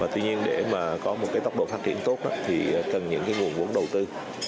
tuy nhiên để có một tốc độ phát triển tốt thì cần những nguồn vốn đầu tư